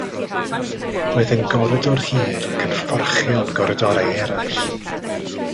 Roedd e'n goridor hir ac yn fforchio yn goridorau eraill.